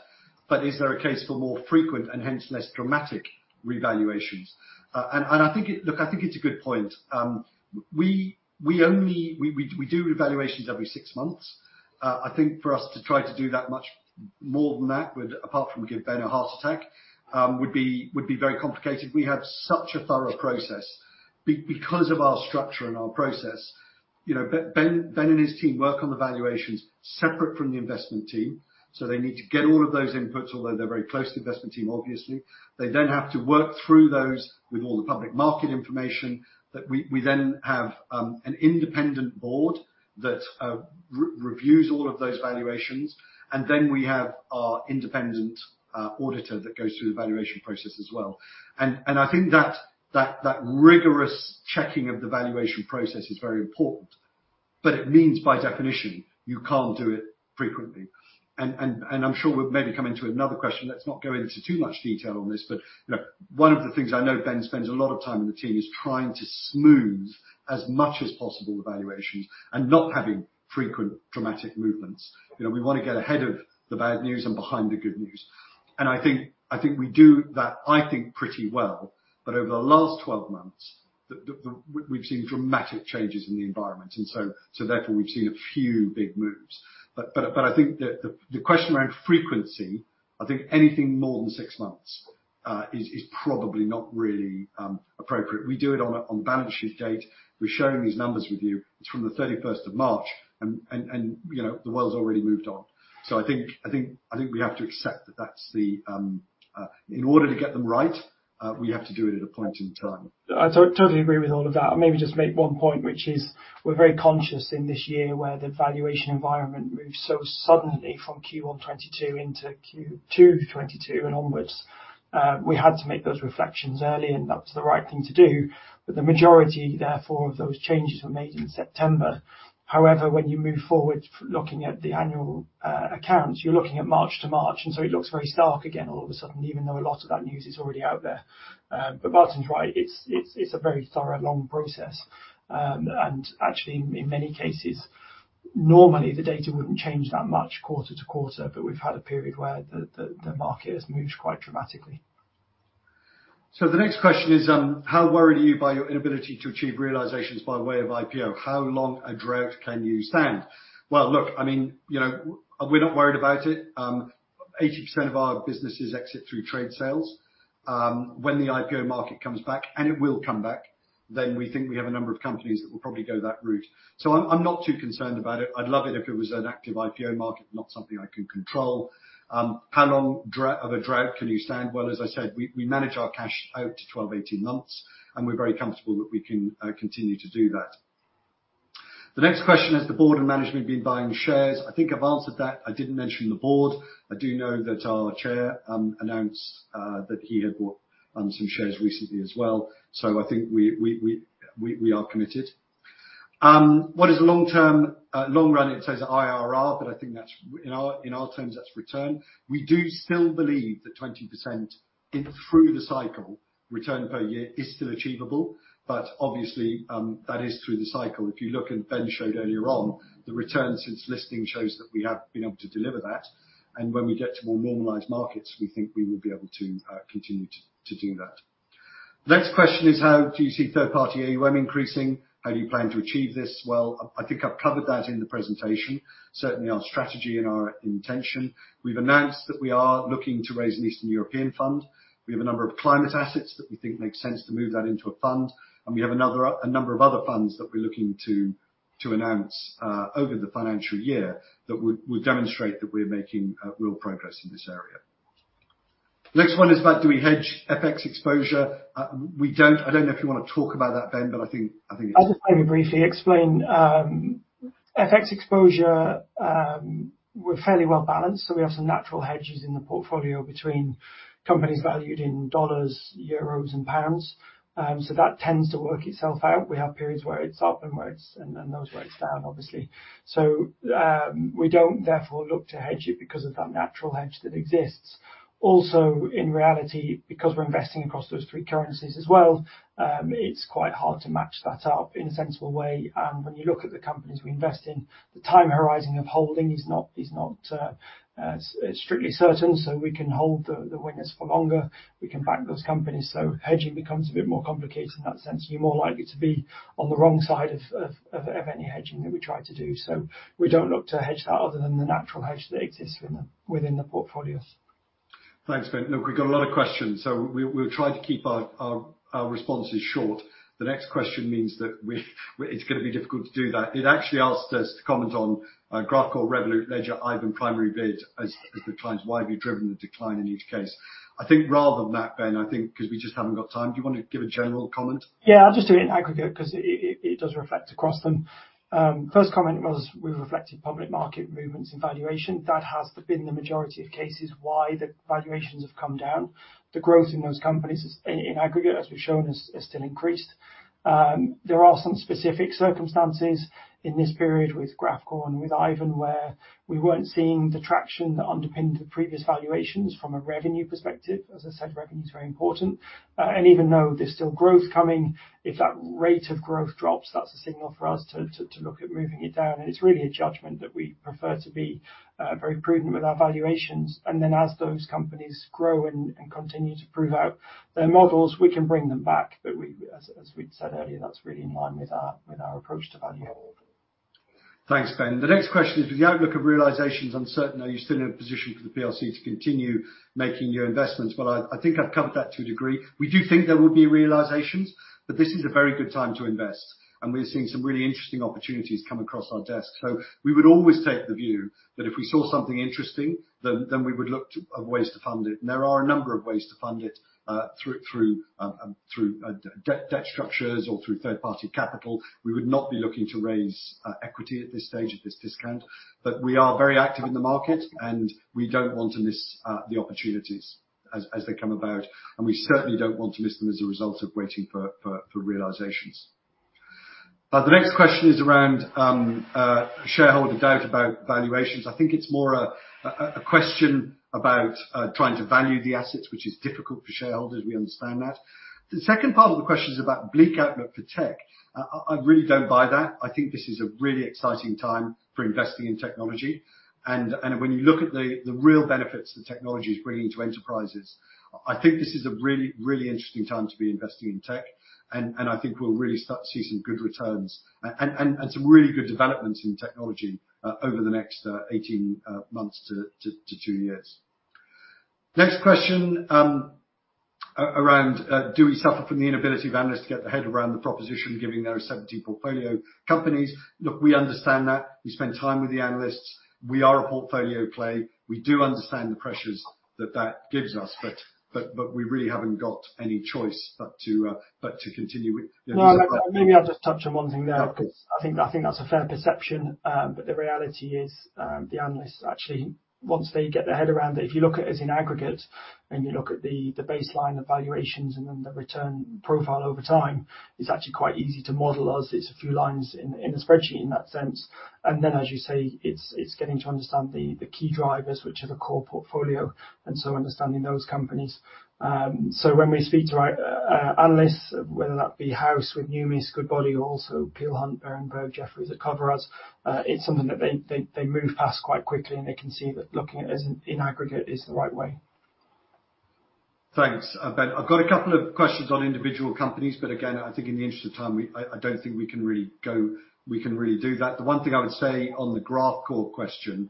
Is there a case for more frequent and hence less dramatic revaluations? I think it. Look, I think it's a good point. We do evaluations every six months. I think for us to try to do that much, more than that, would, apart from give Ben a heart attack, would be very complicated. We have such a thorough process. Because of our structure and our process, you know, Ben and his team work on the valuations separate from the investment team. They need to get all of those inputs, although they're very close to the investment team, obviously. They then have to work through those with all the public market information, that we then have an independent board that re-reviews all of those valuations, and then we have our independent auditor that goes through the valuation process as well. I think that rigorous checking of the valuation process is very important, but it means, by definition, you can't do it frequently. I'm sure we'll maybe come into another question. Let's not go into too much detail on this, but, you know, one of the things I know Ben spends a lot of time on the team is trying to smooth, as much as possible, the valuations and not having frequent dramatic movements. You know, we want to get ahead of the bad news and behind the good news, and I think, I think we do that, I think, pretty well. Over the last 12 months, the we've seen dramatic changes in the environment, therefore, we've seen a few big moves. I think the question around frequency, I think anything more than six months is probably not really appropriate. We do it on a balance sheet date. We're sharing these numbers with you. It's from the 31st of March, you know, the world's already moved on. I think we have to accept that that's the. In order to get them right, we have to do it at a point in time. I totally agree with all of that. I'll maybe just make one point, which is: We're very conscious in this year where the valuation environment moved so suddenly from Q1 2022 into Q2 2022 and onwards, we had to make those reflections early, and that was the right thing to do. The majority, therefore, of those changes were made in September. When you move forward, looking at the annual accounts, you're looking at March to March, and so it looks very stark again, all of a sudden, even though a lot of that news is already out there. Martin's right, it's a very thorough, long process. And actually, in many cases, normally the data wouldn't change that much quarter to quarter, but we've had a period where the market has moved quite dramatically. The next question is: How worried are you by your inability to achieve realizations by way of IPO? How long a drought can you stand? Look, I mean, you know, we're not worried about it. 80% of our business is exit through trade sales. When the IPO market comes back, and it will come back, we think we have a number of companies that will probably go that route. I'm not too concerned about it. I'd love it if it was an active IPO market, not something I can control. How long of a drought can you stand? As I said, we manage our cash out to 12-18 months, we're very comfortable that we can continue to do that. The next question: Has the board and management been buying shares? I think I've answered that. I didn't mention the board. I do know that our chair announced that he had bought some shares recently as well. I think we are committed. What is the long term, long run, it says IRR, but I think that's, in our, in our terms, that's return. We do still believe that 20% in, through the cycle, return per year is still achievable. Obviously, that is through the cycle. If you look, Ben showed earlier on, the return since listing shows that we have been able to deliver that. When we get to more normalized markets, we think we will be able to continue to do that. Next question is: How do you see third-party AUM increasing? How do you plan to achieve this? Well, I think I've covered that in the presentation. Certainly our strategy and our intention. We've announced that we are looking to raise an Eastern European fund. We have a number of climate assets that we think make sense to move that into a fund, and we have another, a number of other funds that we're looking to announce over the financial year, that will demonstrate that we're making real progress in this area. Next one is about do we hedge FX exposure? We don't. I don't know if you want to talk about that, Ben, but I think it's. I'll just very briefly explain. FX exposure, we're fairly well-balanced, so we have some natural hedges in the portfolio between companies valued in dollars, euros, and pounds. That tends to work itself out. We have periods where it's up and where it's and then those where it's down, obviously. We don't therefore look to hedge it because of that natural hedge that exists. Also, in reality, because we're investing across those three currencies as well, it's quite hard to match that up in a sensible way. When you look at the companies we invest in, the time horizon of holding is not strictly certain, so we can hold the winners for longer. We can back those companies, so hedging becomes a bit more complicated in that sense. We're more likely to be on the wrong side of any hedging that we try to do, so we don't look to hedge that other than the natural hedge that exists within the portfolios. Thanks, Ben. Look, we've got a lot of questions. We'll try to keep our responses short. The next question means that it's going to be difficult to do that. It actually asks us to comment on Graphcore, Revolut, Ledger, Aiven, PrimaryBid, as the declines, why have you driven the decline in each case? I think rather than that, Ben, I think because we just haven't got time, do you want to give a general comment? Yeah, I'll just do it in aggregate, because it does reflect across them. First comment was we've reflected public market movements in valuation. That has been the majority of cases why the valuations have come down. The growth in those companies, in aggregate, as we've shown, has still increased. There are some specific circumstances in this period with Graphcore and with Aiven, where we weren't seeing the traction that underpinned the previous valuations from a revenue perspective. As I said, revenue is very important. And even though there's still growth coming, if that rate of growth drops, that's a signal for us to look at moving it down. It's really a judgment that we prefer to be very prudent with our valuations. Then, as those companies grow and continue to prove out their models, we can bring them back. We, as we said earlier, that's really in line with our approach to value. Thanks, Ben. The next question is: With the outlook of realizations uncertain, are you still in a position for the PLC to continue making new investments? Well, I think I've covered that to a degree. We do think there will be realizations, but this is a very good time to invest, and we're seeing some really interesting opportunities come across our desk. We would always take the view that if we saw something interesting, then we would look to ways to fund it. There are a number of ways to fund it through debt structures or through third-party capital. We would not be looking to raise equity at this stage, at this discount, but we are very active in the market, and we don't want to miss the opportunities as they come about, and we certainly don't want to miss them as a result of waiting for realizations. The next question is around shareholder doubt about valuations. I think it's more a question about trying to value the assets, which is difficult for shareholders. We understand that. The second part of the question is about bleak outlook for tech. I really don't buy that. I think this is a really exciting time for investing in technology, and when you look at the real benefits that technology is bringing to enterprises, I think this is a really interesting time to be investing in tech, and I think we'll really start to see some good returns and some really good developments in technology over the next 18 months to two years. Next question, around, do we suffer from the inability of analysts to get their head around the proposition, giving their 70 portfolio companies? Look, we understand that. We spend time with the analysts. We are a portfolio play. We do understand the pressures that that gives us, but we really haven't got any choice but to continue. Maybe I'll just touch on one thing there, because I think that's a fair perception. The reality is, the analysts, actually, once they get their head around it, if you look at us in aggregate, and you look at the baseline, the valuations, and then the return profile over time, it's actually quite easy to model us. It's a few lines in a spreadsheet in that sense. As you say, it's getting to understand the key drivers, which are the core portfolio, understanding those companies. When we speak to our analysts, whether that be house with Numis, Goodbody, also Peel Hunt, Berenberg, Jefferies that cover us, it's something that they move past quite quickly, and they can see that looking at it as in aggregate is the right way. Thanks, Ben. I've got a couple of questions on individual companies, but again, I think in the interest of time, I don't think we can really go. We can really do that. The one thing I would say on the Graphcore question,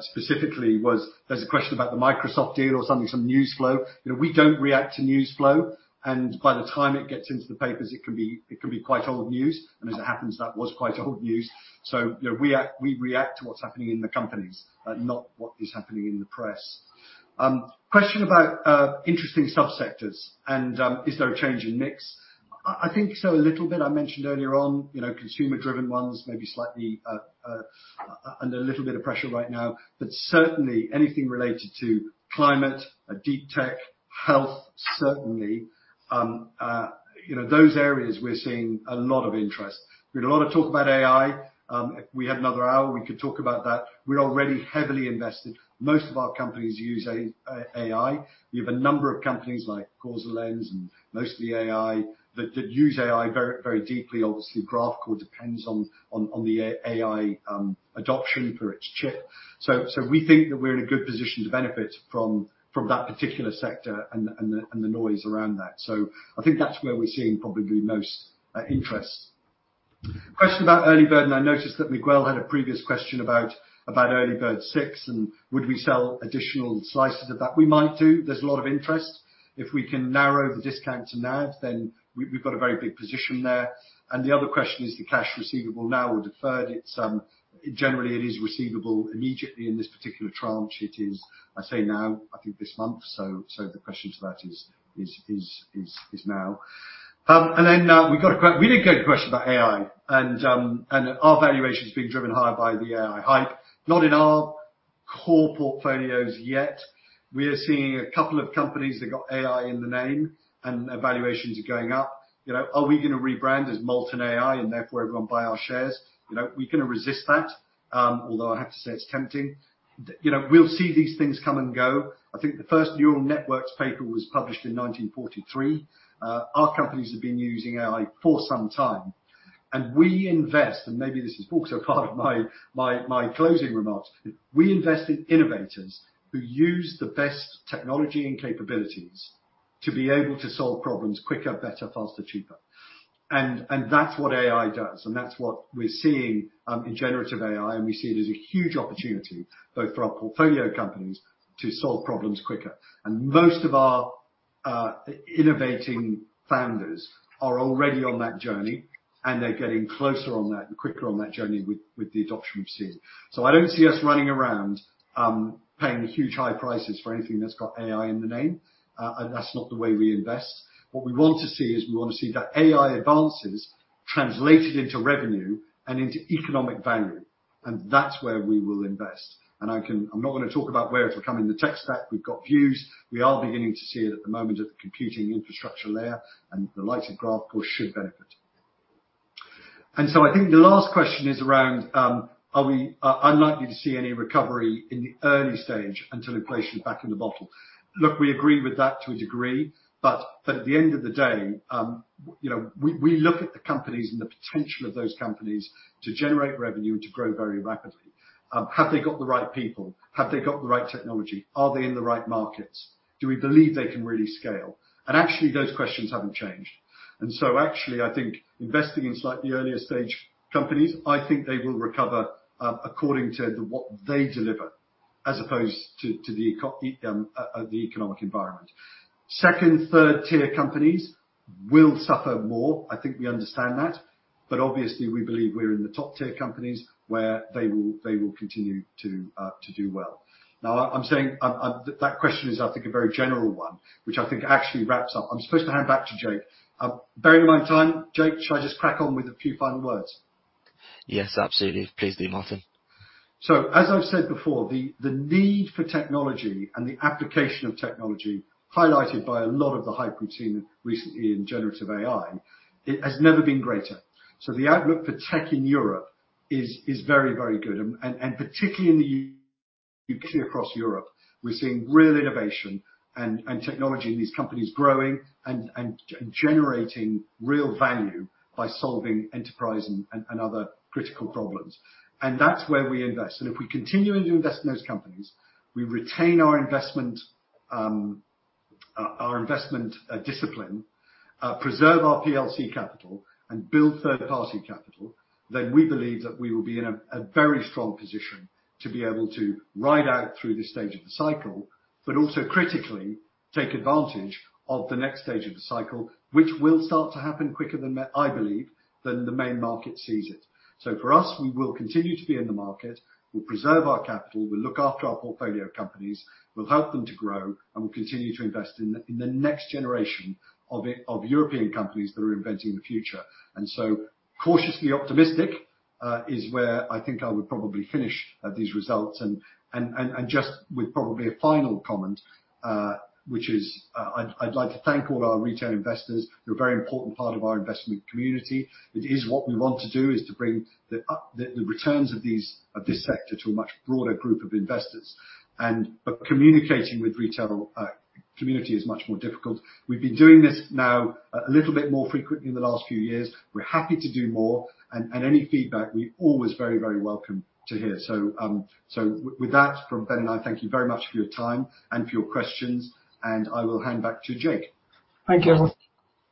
specifically, was there's a question about the Microsoft deal or something, some news flow. You know, we don't react to news flow, and by the time it gets into the papers, it can be quite old news, and as it happens, that was quite old news. You know, we react to what's happening in the companies, not what is happening in the press. Question about interesting subsectors and is there a change in mix? I think so, a little bit. I mentioned earlier on, you know, consumer-driven ones may be slightly under a little bit of pressure right now, but certainly anything related to climate, deep tech, health, certainly, you know, those areas we're seeing a lot of interest. We had a lot of talk about AI. If we had another hour, we could talk about that. We're already heavily invested. Most of our companies use AI. We have a number of companies like CausaLens and MOSTLY AI, that use AI very, very deeply. Obviously, Graphcore depends on the AI adoption for its chip. We think that we're in a good position to benefit from that particular sector and the noise around that. I think that's where we're seeing probably most interest. Question about Earlybird. I noticed that Miguel had a previous question about Earlybird VI, would we sell additional slices of that? We might do. There's a lot of interest. If we can narrow the discount to NAV, then we've got a very big position there. The other question is the cash receivable now or deferred? It's generally, it is receivable immediately in this particular tranche. It is, I say now, I think this month, so the question to that is now. We did get a question about AI. Our valuation is being driven higher by the AI hype. Not in our core portfolios yet. We are seeing a couple of companies that got AI in the name, their valuations are going up. You know, are we gonna rebrand as Molten AI, therefore everyone buy our shares? You know, we're gonna resist that, although I have to say it's tempting. You know, we'll see these things come and go. I think the first neural networks paper was published in 1943. Our companies have been using AI for some time, we invest, and maybe this is also part of my closing remarks. We invest in innovators who use the best technology and capabilities to be able to solve problems quicker, better, faster, cheaper. That's what AI does, and that's what we're seeing in generative AI, we see it as a huge opportunity, both for our portfolio companies to solve problems quicker. Most of our innovating founders are already on that journey, and they're getting closer on that and quicker on that journey with the adoption we've seen. I don't see us running around paying huge high prices for anything that's got AI in the name. That's not the way we invest. What we want to see is, we want to see the AI advances translated into revenue and into economic value, and that's where we will invest. I'm not going to talk about where it'll come in the tech stack. We've got views. We are beginning to see it at the moment at the computing infrastructure layer, and the likes of Graphcore should benefit. I think the last question is around, are we unlikely to see any recovery in the early stage until inflation is back in the bottle? Look, we agree with that to a degree, but at the end of the day, you know, we look at the companies and the potential of those companies to generate revenue and to grow very rapidly. Have they got the right people? Have they got the right technology? Are they in the right markets? Do we believe they can really scale? Actually, those questions haven't changed. Actually, I think investing in slightly earlier stage companies, I think they will recover, according to what they deliver, as opposed to the economic environment. Second, third-tier companies will suffer more. I think we understand that. Obviously, we believe we're in the top-tier companies, where they will continue to do well. I'm saying, that question is, I think, a very general one, which I think actually wraps up. I'm supposed to hand back to Jake. Bearing in mind time, Jake, should I just crack on with a few final words? Yes, absolutely. Please do, Martin. As I've said before, the need for technology and the application of technology, highlighted by a lot of the hype we've seen recently in generative AI, it has never been greater. The outlook for tech in Europe is very, very good, and particularly in the U.K. across Europe, we're seeing real innovation and technology in these companies growing and generating real value by solving enterprise and other critical problems. That's where we invest. If we continue to invest in those companies, we retain our investment discipline, preserve our PLC capital and build third-party capital, then we believe that we will be in a very strong position to be able to ride out through this stage of the cycle. Critically, take advantage of the next stage of the cycle, which will start to happen quicker than I believe, than the main market sees it. For us, we will continue to be in the market. We'll preserve our capital, we'll look after our portfolio companies, we'll help them to grow, and we'll continue to invest in the next generation of European companies that are inventing the future. Cautiously optimistic is where I think I would probably finish these results. Just with probably a final comment, which is, I'd like to thank all our retail investors. You're a very important part of our investment community. It is what we want to do, is to bring the returns of this sector to a much broader group of investors. Communicating with retail community is much more difficult. We've been doing this now a little bit more frequently in the last few years. We're happy to do more, and any feedback, we always very welcome to hear. With that, from Ben and I, thank you very much for your time and for your questions, and I will hand back to Jake. Thank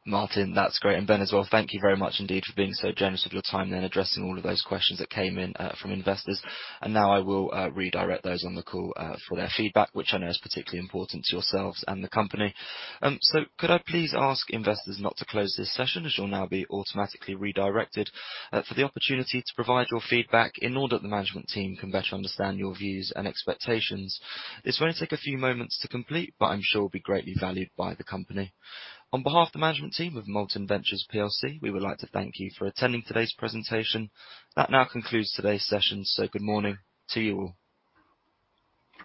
you. Martin, that's great. Ben as well, thank you very much indeed for being so generous with your time and addressing all of those questions that came in from investors. Now I will redirect those on the call for their feedback, which I know is particularly important to yourselves and the company. Could I please ask investors not to close this session, as you'll now be automatically redirected for the opportunity to provide your feedback in order that the management team can better understand your views and expectations. This will only take a few moments to complete, but I'm sure will be greatly valued by the company. On behalf of the management team of Molten Ventures plc, we would like to thank you for attending today's presentation. That now concludes today's session, so good morning to you all.